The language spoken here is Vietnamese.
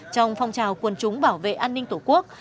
trong phong trào quân chúng bảo vệ an ninh tổ quốc